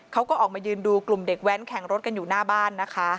เขาก็ออกมายืนดูกลุ่มเด็กแว้นแข่งรถกันอยู่หน้าบ้านนะคะ